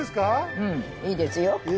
うんいいですよえ